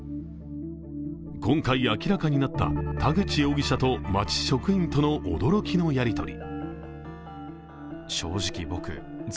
今回、明らかになった田口容疑者と町職員との驚きのやり取り。